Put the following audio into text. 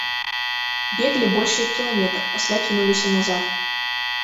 Беглі больш як кіламетр, пасля кінуліся назад.